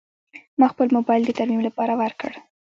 ما خپل موبایل د ترمیم لپاره ورکړ.